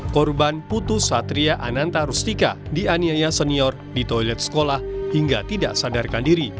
korban putu satria ananta rustika dianiaya senior di toilet sekolah hingga tidak sadarkan diri